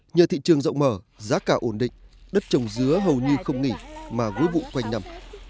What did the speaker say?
nhờ thị trường rộng mở giá cả ổn định đất trồng dứa hầu như không nghỉ mà cuối vụ quanh năm